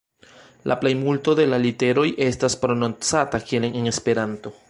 La plejmulto de la literoj estas prononcata kiel en Esperanto.